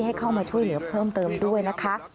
ให้เข้ามาช่วยเหลือเพิ่มเติมด้วยนะคะ